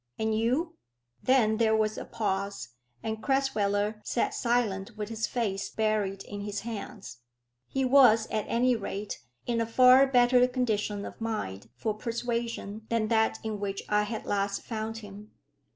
"And you?" Then there was a pause, and Crasweller sat silent with his face buried in his hands. He was, at any rate, in a far better condition of mind for persuasion than that in which I had last found him.